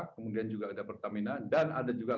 kemudian juga ada pertamina dan ada juga